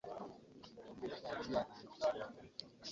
Enkola ya ffedero esobozesa ebitundu okwekolera ku nsonga ezimu